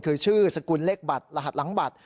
คือชื่อสกุลเลขบัตรรหัสหลังบัตร